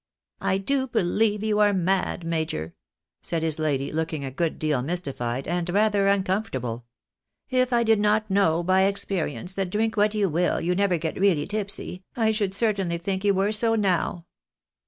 " I do believe you are mad, major," said his lady, looking a good deal mystified, and rather uncomfortable. " If I did not known by experience, that drink what you will, you never get really tipsy, I should certainly think you were so now."